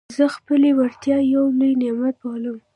زه خپلي وړتیاوي یو لوی نعمت بولم.